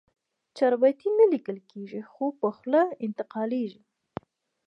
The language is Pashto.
چاربیتې نه لیکل کېږي، خوله په خوله انتقالېږي.